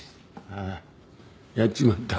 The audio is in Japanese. ああやっちまった。